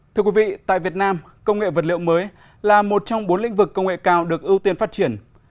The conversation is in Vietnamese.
thưa quý vị tại việt nam công nghệ vật liệu mới là một trong bốn lĩnh vực công nghệ cao được ưu tiên phát triển